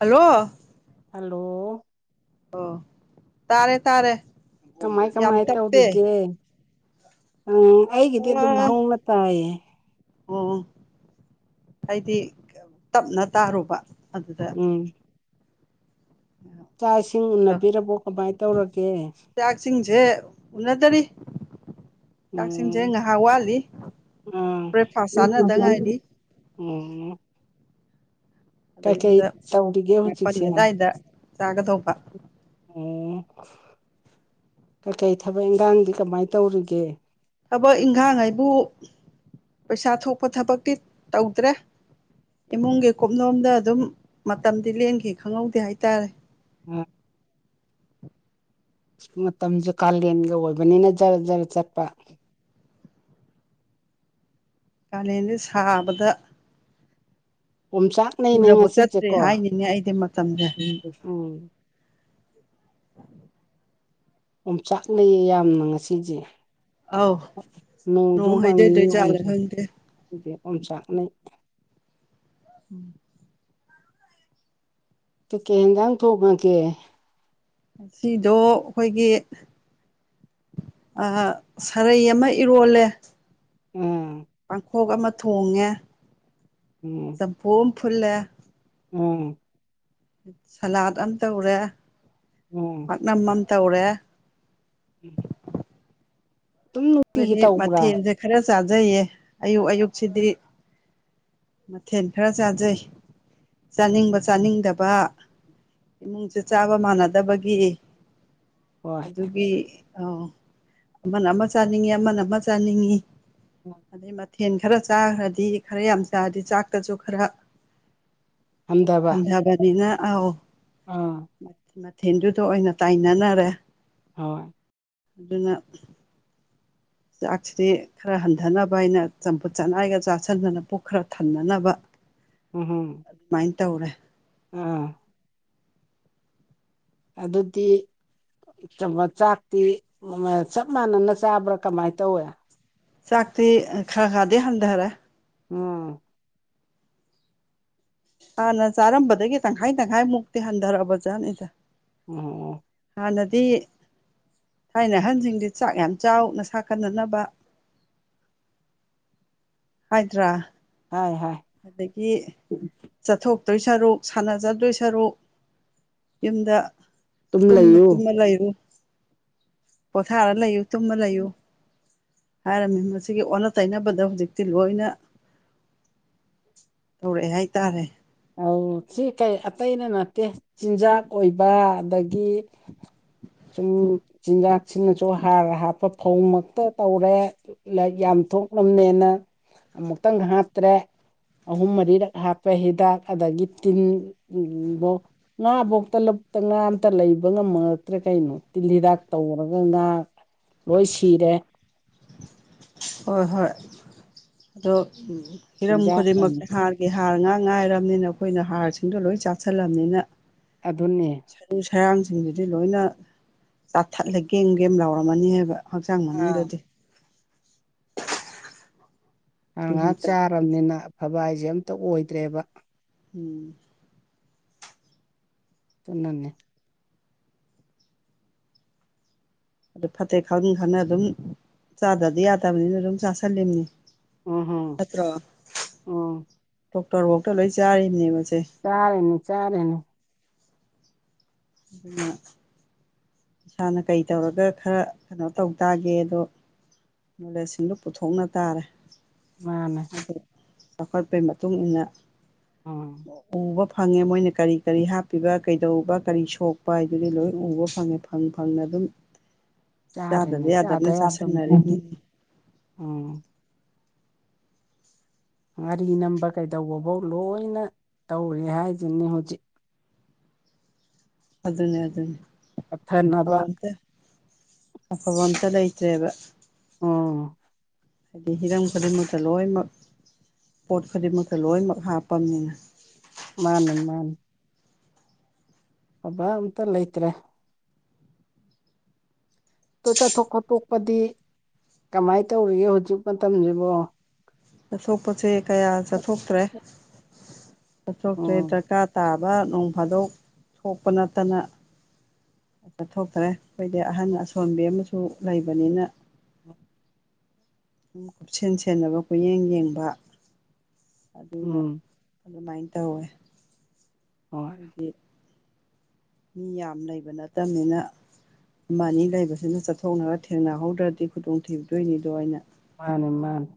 Hello hello ꯑꯣ ꯇꯥꯔꯦ ꯇꯥꯔꯦ ꯀꯃꯥꯏ ꯌꯥꯝ ꯀꯃꯥꯏ ꯇꯞꯄꯦ ꯇꯧꯔꯤꯒꯦ ꯎꯝ ꯑꯩꯒꯤꯗꯤ ꯑꯗꯨꯝ ꯑꯣ ꯍꯧꯅ ꯇꯥꯏꯌꯦ ꯍꯑꯩꯗꯤ ꯇꯞꯅ ꯇꯥꯔꯨꯕ ꯑꯗꯨꯗ ꯎꯝ ꯆꯥꯛ ꯏꯁꯤꯡ ꯎꯅꯕꯤꯔꯕꯣ ꯀꯃꯥꯏ ꯇꯧꯔꯒꯦ ꯁꯦ ꯎꯟꯅꯗꯔ꯭ꯤ ꯆꯥꯛꯏꯁꯤꯡꯁꯦ ꯎꯝ ꯉꯥꯏꯍꯥꯛ ꯋꯥꯠꯂꯤ ꯑꯥ ꯕ꯭ꯔꯦꯛꯐꯥꯁ ꯆꯥꯅꯗ ꯉꯥꯏꯔꯤ ꯎꯝ ꯀꯩꯀꯩ ꯑꯗꯩꯗꯨꯗ ꯇꯧꯔꯤꯒꯦ ꯃꯥꯄꯟ ꯍꯧꯖꯤꯛꯁꯦ ꯑꯗꯥꯏꯗ ꯆꯥꯒꯗꯣꯕ ꯑꯣ ꯀꯀꯩ ꯊꯕꯛ ꯏꯟꯈꯥꯡꯗꯤ ꯀꯃꯥꯏ ꯇꯧꯔꯤꯒꯦ ꯊꯕꯛ ꯏꯪꯈꯥꯡ ꯍꯥꯏꯕꯨ ꯄꯩꯁꯥ ꯊꯣꯛꯄ ꯊꯕꯛꯇꯤ ꯇꯧꯗ꯭ꯔꯦ ꯏꯃꯨꯡꯒꯤ ꯀꯨꯞꯅꯣꯝꯗ ꯑꯗꯨꯝ ꯃꯇꯝꯗꯤ ꯂꯦꯟꯈꯤ ꯈꯪꯍꯧꯗꯦ ꯍꯥꯏꯇꯥꯔꯦ ꯎꯝ [unintelligible] ꯃꯇꯝꯁꯨ ꯀꯥꯂꯦꯟꯒ ꯑꯣꯏꯕꯅꯤꯅ ꯖꯔ ꯖꯔ ꯆꯠꯄ ꯀꯥꯂꯦꯟꯗꯤ ꯁꯕꯗ ꯑꯣꯝꯆꯥꯛꯅꯩꯅꯦ ꯆꯠꯇ꯭ꯔꯦ ꯉꯁꯤꯁꯦꯀꯣ ꯍꯥꯏꯅꯤꯅꯦ ꯑꯩꯗꯤ ꯃꯇꯝꯁꯦ ꯎꯝ ꯑꯣꯝꯆꯥꯛꯅꯩꯌꯦ ꯌꯥꯝꯅ ꯉꯁꯤꯁꯦ ꯑꯧ ꯅꯣꯡꯁꯨ ꯅꯣꯡ ꯃꯡꯉꯤ ꯍꯩꯊꯗꯣꯏ ꯖꯥꯠꯂ ꯈꯪꯗꯦ ꯑꯣꯝ ꯆꯥꯛꯅꯩ꯫ [inaudible] ꯀꯥꯀꯩ ꯏꯟꯁꯥꯡ ꯊꯣꯡꯉꯥꯒꯦ ꯉꯁꯤꯗꯣ ꯑꯩꯈꯣꯏꯒꯤ ꯑ ꯁꯥꯔꯩ ꯑꯃ ꯏꯔꯣꯜꯂꯦ ꯎꯝ ꯄꯥꯡꯈꯣꯛ ꯑꯃ ꯊꯣꯡꯉꯦ ꯎꯝ ꯆꯝꯐꯨ ꯑꯃ ꯐꯨꯠꯂꯦ ꯎꯝ ꯁꯂꯥꯠ ꯑꯃ ꯇꯧꯔꯦ ꯎꯝ ꯄꯥꯛꯅꯝ ꯑꯃ ꯇꯧꯔꯦ ꯎꯝ ꯈꯣꯏꯗꯤ ꯃꯊꯦꯜꯁꯦ ꯈꯔ ꯆꯥꯖꯩꯌꯦ ꯑꯌꯨꯛ ꯑꯌꯨꯛꯁꯤꯗꯤ ꯃꯊꯦꯜ ꯈꯔ ꯆꯥꯖꯩ ꯆꯥꯅꯤꯡꯕ ꯎꯝ ꯆꯥꯅꯤꯡꯗꯕ ꯏꯃꯨꯡꯁꯦ ꯆꯥꯕ ꯃꯥꯟꯅꯗꯕꯒꯤ ꯍꯣꯏ ꯑꯗꯨꯒꯤ ꯑꯣ ꯑꯃꯅ ꯑꯃ ꯆꯥꯅꯤꯡꯏ ꯑꯃꯅ ꯑꯃ ꯆꯥꯅꯤꯡꯉꯤ ꯑꯗꯩꯩ ꯊꯦꯟ ꯈꯔ ꯆꯥꯈ꯭ꯔꯗꯤ ꯈꯔ ꯌꯥꯝ ꯆꯥꯔꯗꯤ ꯆꯥꯛꯇꯁꯨ ꯈꯔ ꯍꯟꯊꯕ ꯍꯟꯗꯕꯅꯤꯅ ꯑ ꯑꯣ ꯑꯥ ꯊꯦꯟꯗꯨꯗ ꯑꯣꯏꯅ ꯇꯥꯏꯅꯅꯔꯦ ꯍꯣꯏ ꯑꯗꯨꯅ ꯆꯥꯛꯁꯤꯗꯤ ꯈꯔ ꯍꯟꯊꯅꯕ ꯑꯩꯅ ꯆꯝꯐꯨꯠ ꯆꯅꯥꯏꯒ ꯆꯥꯁꯤꯟꯗꯅ ꯄꯨꯛ ꯈꯔ ꯊꯟꯅꯅꯕ ꯎꯝ ꯍꯝ ꯑꯗꯨꯃꯥꯏꯅ ꯇꯧꯔꯦ ꯑꯥ ꯑꯗꯨꯗꯗꯤ ꯆꯥꯛꯇꯤ ꯆꯞ ꯃꯥꯟꯅꯅ ꯆꯥꯕ꯭ꯔꯥ ꯀꯃꯥꯏꯅ ꯇꯧꯋꯦ ꯆꯥꯛꯇ ꯈꯔ ꯈꯥꯗꯦ ꯍꯟꯗ ꯍꯔ ꯑꯝ ꯍꯥꯟꯅ ꯆꯥꯔꯝꯕꯗꯒꯤ ꯇꯪꯈꯥꯏ ꯇꯪꯈꯥꯏꯃꯨꯛꯇꯤ ꯍꯟꯊꯔꯛꯑꯕꯖꯥꯠꯅꯤꯗꯦ ꯎꯝ ꯑꯅꯗꯤ ꯊꯥꯏꯅ ꯑꯍꯟꯁꯤꯡꯗꯤ ꯆꯥꯛ ꯌꯥꯝ ꯆꯥꯎꯅ ꯁꯥ ꯀꯅꯅꯕ [inaudible] ꯍꯥꯏꯗ꯭ꯔꯥ ꯍꯥꯏ ꯍꯥꯏ ꯑꯗꯒꯤ ꯆꯠꯊꯣꯛ ꯑꯗꯨꯣꯏ ꯁꯔꯨꯛ ꯁꯥꯟꯅꯖꯗꯣꯏ ꯁꯔꯨꯛ ꯌꯨꯝꯗ ꯑꯗꯨꯝ ꯇꯨꯝꯃ ꯂꯩꯌꯨ ꯇꯨꯝꯃ ꯂꯩꯔꯨ ꯄꯣꯊꯥꯔ ꯂꯩꯌꯨ ꯇꯨꯝꯃ ꯂꯏꯣ ꯍꯥꯏꯔꯝꯃꯤ ꯃꯁꯤꯒꯤ ꯑꯣꯟꯅ ꯇꯩꯅꯕꯗ ꯍꯧꯖꯤꯛꯇꯤ ꯂꯣꯏꯅ ꯇꯧꯔꯛꯑꯦ ꯍꯥꯏꯇꯥꯔꯦ ꯑꯥꯎ ꯁꯤ ꯀꯩ ꯑꯇꯩꯅ ꯅꯠꯇꯦ ꯆꯤꯟꯖꯥꯛ ꯑꯣꯏꯕ ꯑꯗꯒꯤ ꯁꯨꯝ ꯆꯤꯟꯖꯥꯛꯁꯤꯅꯁꯨ ꯍꯥꯔ ꯍꯥꯞꯄ ꯐꯧꯃꯛꯇ ꯇꯧꯔꯦ ꯂꯥꯏ ꯌꯥꯝ ꯆꯊꯣꯛꯂꯝꯅꯦꯅ ꯑꯃꯨꯛꯇꯪ ꯍꯥꯞꯇ꯭ꯔꯦ ꯑꯍꯨꯝ ꯃꯔꯤꯔꯛ ꯍꯥꯞꯄ ꯍꯤꯗꯥꯛ ꯑꯗꯒꯤ ꯇꯤꯟꯧ ꯉꯥ ꯐꯧꯇ ꯂꯨꯞꯇ ꯉꯥ ꯑꯇ ꯂꯩꯕ ꯉꯝꯃꯛꯇ꯭ꯔꯦ ꯀꯩꯅꯣ ꯇꯤꯜ ꯍꯤꯗꯥꯛ ꯇꯧꯔꯒ ꯉꯥ ꯂꯣꯏ ꯁꯤꯔꯦ ꯍꯣꯏ ꯍꯣꯏ ꯑꯗꯣ ꯍꯤꯔꯝ ꯆꯤꯟꯖꯥꯛ ꯈꯨꯗꯤꯡꯃꯛꯇꯤ ꯍꯥꯒꯦ ꯍꯥꯔ ꯉꯥ ꯉꯥꯏꯔꯕꯅꯤꯅ ꯑꯩꯈꯣꯏꯅ ꯍꯥꯔꯁꯤꯡꯗꯣ ꯂꯣꯏ ꯆꯥꯛꯥꯁꯜꯂꯕꯅꯤꯅ ꯑꯗꯨꯗꯅꯦ ꯈꯔꯥꯡꯁꯤꯡꯗꯨꯗꯤ ꯂꯣꯏꯅ ꯆꯥꯊꯠꯂꯦꯒꯦꯝ ꯒꯦꯝ ꯂꯥꯎꯔꯝꯃꯅꯤ ꯍꯥꯏꯕ ꯍꯛꯆꯥꯡ ꯑꯥ ꯃꯅꯤꯡꯗꯗꯤ ꯑ ꯑꯗꯨꯅꯤ ꯉꯥꯍꯥꯛ ꯇꯧꯔꯤꯁꯦ ꯆꯥꯔꯕꯅꯤꯅ ꯑꯐꯕ ꯍꯥꯏꯖꯦ ꯑꯝꯇ ꯑꯣꯏꯗ꯭ꯔꯦꯕ ꯎꯝ ꯇꯨꯅꯅꯦ ꯑꯗꯨ ꯐꯠꯇꯦ ꯈꯪ ꯈꯪꯅ ꯑꯗꯨꯝ ꯆꯥꯗꯔꯗꯤ ꯌꯥꯗꯕꯅꯤꯅ ꯑꯗꯨꯝ ꯆꯥꯥꯁꯜꯂꯤꯅꯦ ꯎꯝ ꯍꯝ ꯎꯝ ꯗꯣꯛꯇꯔ ꯕꯧꯇ ꯂꯣꯏ ꯆꯥꯔꯤꯕꯅꯦꯕ ꯁ ꯆꯥꯔꯦꯅꯦ ꯆꯥꯔꯦꯅꯦ ꯑꯗꯨꯅ ꯏꯁꯥꯅ ꯀꯩ ꯇꯧꯔꯒ ꯈꯔ ꯀꯩꯅꯣ ꯇꯧ ꯇꯥꯗꯤ ꯑꯗꯣ ꯅꯣꯂꯦꯁ ꯁꯤꯡꯗꯨ ꯄꯨꯊꯣꯛꯅ ꯇꯥꯔꯦ ꯃꯥꯅꯦ ꯑꯗꯨ ꯆꯥꯎꯈꯠꯄꯩ ꯃꯇꯨꯡꯏꯟꯅ ꯎꯝ ꯎꯕ ꯐꯪꯉꯦ ꯃꯣꯏꯅ ꯀꯔꯤ ꯀꯔꯤ ꯍꯥꯞꯄꯤꯕ ꯀꯩꯗꯧꯕ ꯀꯔꯤ ꯁꯣꯛꯄ ꯍꯥꯏꯗꯨꯗꯤ ꯂꯣꯏ ꯎꯕ ꯐꯪꯉꯦ ꯐꯪ ꯐꯪꯅ ꯑꯗꯨꯝ ꯆꯥꯔꯅꯤ ꯆꯥꯗꯕ ꯆꯥꯗ ꯌꯥꯗꯕꯅ ꯌꯥꯗ ꯆꯥꯁꯟꯅꯔꯤꯕꯅꯤ ꯑꯧ ꯉꯥꯔꯤ ꯅꯝꯕ ꯀꯩꯗꯧꯕꯕꯧ ꯂꯣꯏꯅ ꯇꯧꯔꯦ ꯍꯥꯏꯖꯤꯅꯤ ꯍꯧꯖꯤꯛ ꯑꯗꯨꯅꯦ ꯑꯗꯨꯅꯦ ꯄꯠꯊꯅꯕ ꯇꯧꯍꯟꯇꯦ ꯑꯐꯕ ꯑꯝꯇ ꯂꯩꯇ꯭ꯔꯦꯕ ꯎꯝ ꯍꯥꯏꯗꯤ ꯍꯤꯔꯝ ꯈꯨꯗꯤꯡꯃꯛꯇ ꯂꯣꯏꯃꯛ ꯄꯣꯠ ꯈꯨꯗꯤꯡꯃꯛꯇ ꯂꯣꯏꯃꯛ ꯍꯥꯞꯄꯅꯤꯅ ꯃꯥꯅꯦ ꯃꯥꯅꯤ ꯐꯕ ꯑꯝꯇ ꯂꯩꯇ꯭ꯔꯦ ꯇꫭ ꯆꯠꯊꯣꯛ ꯈꯣꯠꯇꯣꯛꯄꯗꯤ ꯀꯃꯥꯏ ꯇꯧꯔꯤꯒꯦ ꯍꯧꯖꯤꯛ ꯃꯇꯝꯖꯤꯕꯣ ꯆꯠꯊꯣꯛꯄꯁꯦ ꯀꯌꯥ ꯆꯠꯊꯣꯛꯇꯔꯦ ꯎꯝ ꯗꯔꯀꯥꯔ ꯇꯥꯕ ꯅꯣꯡ ꯐꯥꯗꯣꯛ ꯊꫭꯛꯄ ꯅꯠꯇꯅ ꯆꯠꯊꯣꯛꯇꯔꯦ ꯑꯈꯣꯏꯗꯤ ꯑꯍꯟ ꯑꯁꯣꯟꯕꯤ ꯑꯃꯁꯨ ꯂꯩꯕꯅꯤꯅ ꯎꯝ ꯁꯨꯝ ꯀꯨꯞꯁꯦꯟ ꯁꯦꯟꯅꯕ ꯀꯨꯌꯦꯡ ꯌꯦꯡꯕ ꯎꯝ ꯑꯗꯨꯃꯥꯏ ꯇꯧꯋꯦ ꯍꯣꯏ ꯑꯗꯤ ꯃꯤ ꯌꯥꯝ ꯂꯩꯕ ꯅꯠꯇꯝꯅꯤꯅ ꯑꯃ ꯑꯅꯤ ꯂꯩꯕꯁꯤꯅ ꯆꯠꯊꯣꯛꯅꯔ ꯊꯦꯡꯅꯍꯧꯗ꯭ꯔꯗꯤ ꯈꯨꯗꯣꯡ ꯊꯤꯗꯣꯏꯅꯤꯗꯣ ꯑꯩꯅ ꯃꯥꯅꯦ ꯃꯥꯅꯦ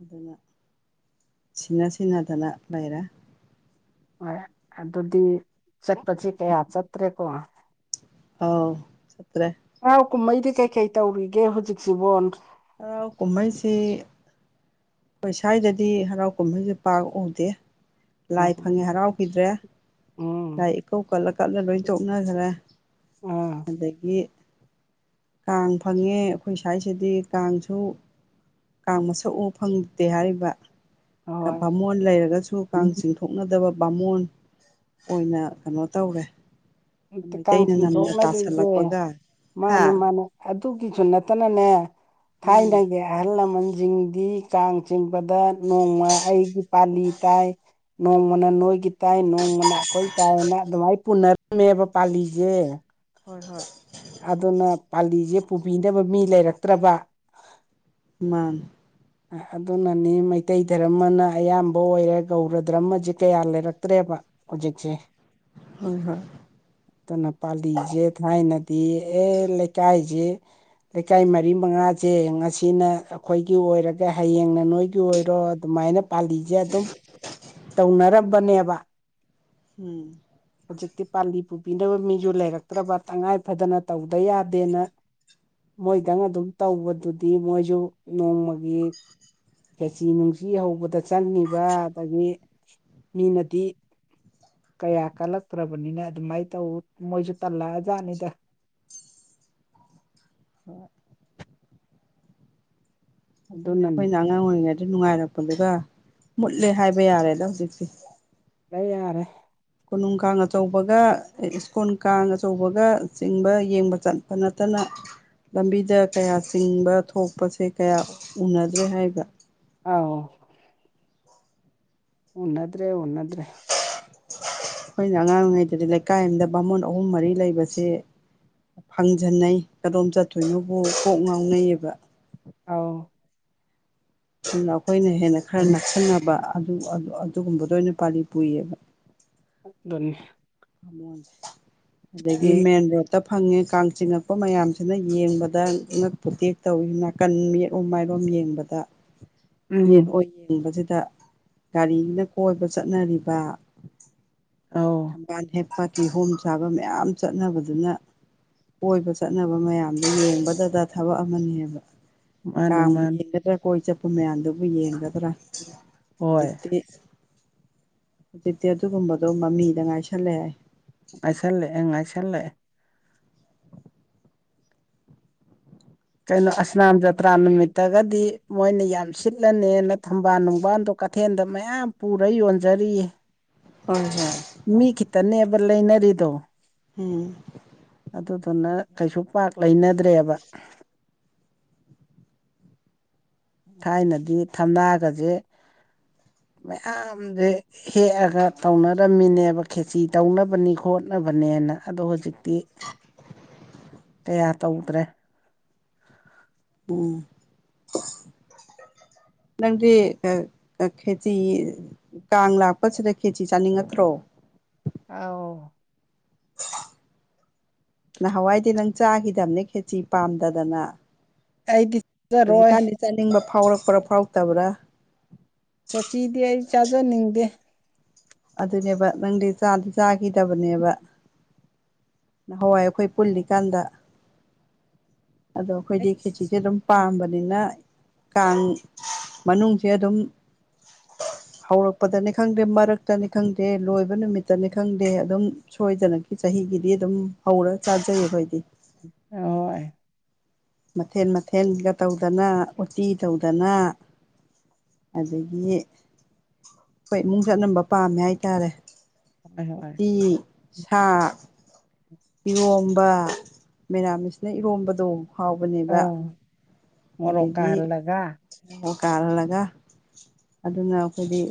ꯑꯗꯨꯅ ꯁꯤꯅ ꯁꯤꯟꯅꯗꯅ ꯂꯩꯔꯦ ꯍꯣꯏ ꯑꯗꯨꯗꯤ ꯆꯠꯄꯁꯦ ꯀꯌꯥ ꯆꯠꯇ꯭ꯔꯦꯀꯣ ꯑꯧ ꯆꯠꯇꯔꯦ ꯍꯔꯥꯎ ꯀꯨꯝꯃꯩꯗꯤ ꯀꯩꯀꯩ ꯇꯧꯔꯤꯒꯦ ꯍꯧꯖꯤꯛꯁꯤꯕꯣ ꯑꯧ ꯀꯨꯝꯃꯩꯁꯤ ꯄꯩꯁꯥꯏꯗꯗꯤ ꯍꯔꯥꯎ ꯀꯨꯝꯃꯩꯖꯦ ꯄꯥꯛ ꯎꯗꯦ ꯂꯥꯏ ꯎꯝ ꯐꯪꯉꯦ ꯍꯔꯥꯎꯈꯤꯗ꯭ꯔꯦ ꯎꯝ ꯂꯥꯏ ꯏꯀꯧ ꯀꯠꯂ ꯀꯠꯂ ꯂꯣꯏ ꯇꯣꯛꯅꯈ꯭ꯔꯦ ꯑꯥ ꯑꯗꯒꯤ ꯀꯥꯡ ꯐꯪꯉꯦ ꯑꯈꯣꯏ ꯁꯥꯏꯁꯤꯗꯤ ꯀꯥꯡꯁꯨ ꯀꯥꯡ ꯃꯁꯛ ꯎ ꯐꯪꯗꯦ ꯍꯥꯏꯔꯤꯕ ꯀ ꯍꯣꯏ ꯕꯥꯝꯃꯣꯟ ꯂꯩꯔꯒꯁꯨ ꯀꯥꯡ ꯆꯤꯡ ꯊꯣꯛꯅꯗꯕ ꯕꯥꯝꯃꯣꯟ ꯑꯣꯏꯅ ꯀꯩꯅꯣ ꯇꯧꯔꯦ ꯍꯧꯇꯤ ꯀꯥꯡ ꯃꯩꯇꯩꯅ ꯆꯤꯟ ꯅꯝꯅ ꯊꯣꯛꯅꯗꯤꯖꯦ ꯇꯥꯁꯜꯂꯛꯄꯒ ꯃꯥꯅꯦ ꯍꯥ ꯃꯥꯅꯦ ꯑꯗꯨꯒꯤꯁꯨ ꯅꯠꯇꯅꯅꯦ ꯎꯝ ꯊꯥꯏꯅꯒꯤ ꯑꯍꯜ ꯂꯃꯟꯖꯤꯡꯗꯤ ꯆꯥꯡ ꯆꯤꯡꯕꯗ ꯅꯣꯡꯃ ꯑꯩꯒꯤ ꯄꯥꯂꯤ ꯇꯥꯏ ꯅꯣꯡꯃꯅ ꯅꯣꯏꯒꯤ ꯇꯥꯏ ꯅꯣꯡꯃꯅ ꯑꯈꯣꯏ ꯇꯥꯏꯅ ꯑꯗꯨꯃꯥꯏꯅ ꯊꫭꯟꯅꯔꯝꯃꯦꯕ ꯄꯥꯜꯂꯤꯖꯦ ꯍꯣꯏ ꯍꯣꯏ ꯑꯗꯨꯅ ꯄꯥꯂꯤꯖꯦ ꯄꯨꯕꯤꯅꯕ ꯃꯤ ꯂꯩꯔꯛꯇ꯭ꯔꯕ ꯃꯥ ꯑꯗꯨꯅꯅꯤ ꯃꯩꯇꯩ ꯙꯔꯃꯅ ꯑꯌꯥꯝꯕ ꯑꯣꯏꯔꯦ ꯒꯧꯔ ꯙꯔꯃꯁꯦ ꯀꯌꯥ ꯂꯩꯔꯛꯇ꯭ꯔꯦꯕ ꯍꯧꯖꯤꯛꯁꯦ ꯍꯣꯏ ꯍꯣꯏ ꯑꯗꯨꯅ ꯄꯥꯂꯤꯁꯦ ꯊꯥꯏꯅ ꯇꯤ ꯑꯦ ꯂꯩꯀꯥꯏꯖ ꯂꯩꯀꯥꯏ ꯃꯔꯤ ꯃꯉꯥꯁꯦ ꯉꯁꯤꯅ ꯑꯩꯈꯣꯏꯒꯤ ꯑꯣꯏꯔꯒ ꯍꯌꯦꯡꯅ ꯅꯣꯏꯒꯤ ꯑꯣꯏꯔꯣ ꯑꯗꯨꯃꯥꯏꯅ ꯄꯥꯜꯂꯤꯁꯦ ꯑꯗꯨꯝ ꯇꯧꯅꯔꯝꯕꯅꯦꯕ ꯎꯝ ꯍꯧꯖꯤꯛꯇꯤ ꯄꯥꯜꯂꯤ ꯄꯨꯕꯤꯅꯕ ꯃꯤꯁꯨ ꯂꯩꯔꯛꯇ꯭ꯔꯕ ꯇꯉꯥꯏ ꯐꯗꯅ ꯇꯧꯗ ꯌꯥꯗꯦꯅ ꯃꯣꯏꯗꯪ ꯑꯗꯨꯝ ꯇꯧꯕꯗꯨꯗꯤ ꯃꯣꯏꯁꯨ ꯅꯣꯡꯃꯒꯤ ꯀꯦꯆꯤ ꯅꯨꯡꯁꯤ ꯍꯧꯕꯗ ꯆꯪꯉꯤꯕ ꯑꯗꯒꯤ ꯃꯤꯅꯗꯤ ꯀꯌꯥ ꯀꯜꯂꯛꯇ꯭ꯔꯕꯅꯤꯅ ꯑꯗꯨꯃꯥꯏꯅ ꯇꯧ ꯃꯣꯏꯁꯨ ꯇꯜꯂꯛꯑ ꯖꯥꯠꯅꯤꯗ ꯍꯣꯏ ꯑꯗꯨꯅꯦ ꯑꯗꯨꯅꯅꯤ ꯑꯩꯈꯣꯏ ꯅꯪꯉꯥꯡ ꯑꯣꯏꯦ ꯑꯗꯨ ꯅꯨꯡꯉꯥꯏꯔꯛꯄꯗꯨꯒ ꯃꯨꯠꯂꯦ ꯍꯥꯏꯕ ꯌꯥꯔꯦꯗ ꯍꯧꯖꯤꯛꯇꯤ ꯇꯌꯥꯔꯦ ꯀꯣꯅꯨꯡ ꯀꯥꯡ ꯑꯆꯧꯕꯒ ꯁ꯭ꯀꯨꯜ ꯀꯥꯡ ꯑꯆꯧꯕꯒ ꯆꯤꯡꯕ ꯌꯦꯡꯕ ꯆꯠꯄ ꯅꯠꯇꯅ ꯂꯝꯕꯤꯗ ꯀꯌꯥ ꯆꯤꯡꯕ ꯊꯣꯛꯄꯁꯦ ꯀꯌꯥ ꯎꯅꯗ꯭ꯔꯦ ꯍꯥꯏꯕ ꯑꯥꯎ ꯎꯟꯅꯗ꯭ꯔꯦ ꯎꯟꯅꯗ꯭ꯔꯦ ꯑꯩꯈꯣꯏꯅ ꯑꯉꯥꯡ ꯑꯣꯏꯔꯤꯉꯩꯗꯗꯤ ꯂꯩꯀꯥꯏ ꯑꯃꯗ ꯕꯥꯃꯣꯟ ꯑꯍꯨꯝ ꯃꯔꯤ ꯂꯩꯕꯁꯦ ꯐꯪꯖꯟꯅꯩ ꯀꯔꯣꯝ ꯆꯠꯇꯣꯏꯅꯣꯕꯨ ꯀꯣꯛ ꯉꯥꯎꯅꯩꯌꯦꯕ ꯑꯥꯎ ꯑꯗꯨꯅ ꯑꯩꯈꯣꯏꯅ ꯍꯦꯟꯅ ꯈꯔ ꯅꯛꯁꯤꯟꯅꯕ ꯑꯗꯨꯒꯨꯝꯕꯗ ꯑꯣꯏꯅ ꯄꯥꯜꯂꯤ ꯄꯨꯏꯌꯦꯕ ꯅꯤ ꯑꯗꯒꯤ ꯃꯦꯟ ꯔꯣꯗ ꯇ ꯐꯪꯉꯦ ꯀꯥꯡ ꯆꯤꯉꯛꯄ ꯃꯌꯥꯝꯁꯤꯅ ꯌꯦꯡꯕꯗ ꯉꯄꯇꯦꯛ ꯇꯧꯏꯤ ꯅꯥꯀꯟ ꯃꯠꯎ ꯃꯥꯏ ꯌꯦꯡꯕꯗ ꯌꯦꯠ ꯎꯝ ꯑꯣꯏ ꯌꯦꯡꯕꯁꯤꯗ ꯒꯥꯔꯤꯅ ꯀꯣꯏꯕ ꯆꯠꯅꯔꯤꯕ ꯑꯧ ꯍꯦ ꯄꯥꯇꯤ ꯍꯣꯝ ꯁꯥꯕ ꯃꯌꯥꯝ ꯆꯠꯅꯕꯗꯨꯅ ꯑꯣꯏꯕ ꯆꯠꯅꯕ ꯃꯌꯥꯝꯗꯨꯣ ꯌꯦꯡꯕꯗꯗ ꯊꯕꯛ ꯑꯃꯅꯦꯕ ꯃꯥꯅꯤ ꯀꯥꯡꯕꯨ ꯃꯥꯅꯤ ꯌꯦꯡꯒꯗ꯭ꯔꯥ ꯀꯣꯏ ꯆꯠꯄ ꯃꯌꯥꯝꯗꯨꯕꯨ ꯌꯦꯡꯒꯗ꯭ꯔꯥ ꯈꯔ ꯍꯣꯏ ꯍꯧꯖꯤꯛꯇꯤ ꯍꯧꯖꯤꯛꯇꯤ ꯑꯗꯨꯒꯨꯝꯕꯗꯣ ꯃꯃꯤꯗ ꯉꯥꯏꯁꯦ ꯆꯂꯦ ꯉꯥꯏꯁꯜꯂꯛꯑꯦ ꯉꯥꯏꯁꯜꯂꯛꯑꯦ ꯀꯩꯅꯣ ꯑꯁꯅꯥꯝ ꯖꯇ꯭ꯔꯥ ꯅꯨꯃꯤꯠꯇꯒꯗꯤ ꯃꯣꯏꯅ ꯌꯥꯝ ꯁꯤꯠꯂꯅꯦꯅ ꯊꯝꯕꯥꯜ ꯅꯨꯡꯕꯥꯟꯗꯣ ꯀꯩꯊꯦꯜꯗ ꯃꯌꯥꯝ ꯄꯨꯔ ꯌꯣꯟꯖꯔꯤꯌꯦ ꯍꯣꯏ ꯍꯣꯏ ꯜ ꯂꯩ ꯏꯅꯔꯤꯗꯣ ꯎꯝ ꯑꯗꯨꯗꯨꯅ ꯀꯩꯁꯨ ꯄꯥꯛ ꯂꯩꯅꯗ꯭ꯔꯦꯕ ꯊꯥꯏꯅꯗꯤ ꯊꯝꯅꯥꯒꯁꯦ ꯃꯌꯥꯝꯁꯦ ꯍꯦꯛꯑꯒ ꯇꯧꯅꯔꯝꯃꯤꯅꯦꯕ ꯈꯦꯆ ꯇꯧꯅꯕꯅꯤ ꯈꯣꯠꯅꯕꯅꯦ ꯑꯗꯣ ꯍꯧꯖꯤꯛ ꯤ ꯀꯌꯥ ꯇꯧꯗ꯭ꯔꯦ ꯎꯝ ꯅꯪꯗꯤ ꯑ ꯈꯦꯇ ꯀꯥꯡ ꯂꯥꯛꯄꯁꯤꯗ ꯀꯦꯖꯤ ꯆꯥꯅꯤꯡꯉꯠꯇ꯭ꯔꯣ ꯑꯥꯎ ꯅꯍꯥꯟꯋꯥꯏꯗꯤ ꯅꯪ ꯆꯥꯈꯤꯗꯕꯅꯦ ꯈꯦꯆꯤ ꯄꯥꯝꯗꯗꯅ ꯑꯩꯗꯤ ꯆꯥꯖꯔꯣꯏ ꯍꯧꯖꯤꯛꯀꯥꯟꯗꯤ ꯆꯥꯅꯤꯡꯕ ꯐꯥꯎꯔꯛꯄ꯭ꯔꯥ ꯐꯥꯎꯔꯛꯇꯕ꯭ꯔꯥ ꯀꯦꯆꯤꯗꯤ ꯑꯩ ꯆꯥꯖꯅꯤꯡꯗꯦ ꯑꯗꯨꯅꯦꯕ ꯅꯪꯗꯤ ꯏ ꯆꯥꯗꯤ ꯆꯥꯈꯤꯗꯕꯅꯦꯕ ꯍꯋꯥꯏ ꯑꯩꯈꯣꯏ ꯄꯨꯜꯂꯤꯀꯥꯟꯗ ꯑꯗꯣ ꯑꯩꯈꯣꯏꯗꯤ ꯑꯩ ꯈꯦꯆꯁꯦ ꯑꯗꯨꯝ ꯄꯥꯝꯕꯅꯤꯅ ꯀꯥꯡ ꯃꯅꯨꯡꯁꯦ ꯑꯗꯨꯝ [unintelligible] ꯍꯧꯔꯛꯄꯗꯅꯤ ꯈꯪꯗꯦ ꯃꯔꯛꯇꯅꯤ ꯈꯪꯗꯦ ꯂꯣꯏꯕ ꯅꯨꯃꯤꯠꯇꯅꯤ ꯈꯪꯗꯦ ꯑꯗꯨꯝ ꯁꯣꯏꯗꯅꯒꯤ ꯆꯍꯤꯒꯤꯗꯤ ꯗꯤ ꯑꯗꯨꯝ ꯍꯧꯔ ꯆꯥꯖꯩꯌꯦꯈꯣꯏꯗꯤ ꯍꯣꯏ ꯃꯊꯦꯟ ꯃꯊꯦꯜꯒ ꯇꯧꯗꯅ ꯎꯇꯤ ꯇꯧꯗꯅ ꯑꯗꯒꯤ ꯑꯩꯈꯣꯏ ꯏꯃꯨꯡ ꯆꯠꯂꯝꯅꯕ ꯄꯥꯝꯃꯦ ꯍꯥꯏꯇꯥꯔꯦ ꯍꯣꯏ ꯍꯣꯏ ꯎꯇꯤ ꯁꯥ ꯏꯔꯣꯝꯕ ꯃꯦꯔꯥꯃꯤꯁꯅ ꯏꯔꯣꯝꯕꯗꯣ ꯍꯥꯎꯕꯅꯦꯕ ꯑꯧ ꯃꯣꯔꯣꯛ ꯑꯗꯒꯤ ꯀꯥꯍꯜꯂꯒ ꯀꯥꯜꯂꯒ ꯑꯗꯨꯅ ꯑꯩꯈꯣꯏꯗꯤ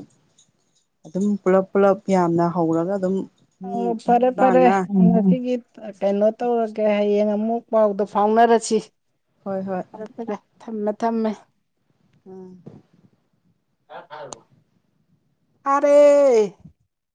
ꯑꯗꯨꯝ ꯄꯨꯂꯞ ꯄꯨꯂꯞ ꯌꯥꯝꯅ ꯍꯧꯔꯒ ꯑꯗꯨꯝ ꯑ ꯃꯤ ꯐꯔꯦ ꯇꯔꯥꯃꯉꯥ ꯐꯔꯦꯁꯤ ꯀꯩꯅꯣ ꯇꯧꯔꯒꯦ ꯍꯌꯦꯡ ꯑꯃꯨꯛ ꯄꯥꯎꯗꯣ ꯐꯥꯎꯅꯔꯁꯤ ꯍꯣꯏ ꯍꯣꯏ ꯊꯝꯃ ꯊꯝꯃꯦ ꯑꯥ ꯑꯔꯦ [unintelligible]